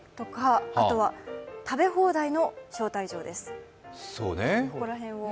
あとは、食べ放題の招待状です。